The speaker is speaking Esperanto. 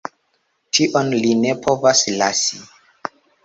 Tion li ne povas lasi!